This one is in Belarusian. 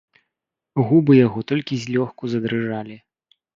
Губы яго толькі злёгку задрыжалі.